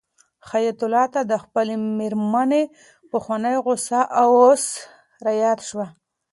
حیات الله ته د خپلې مېرمنې پخوانۍ غوښتنه اوس رایاده شوه.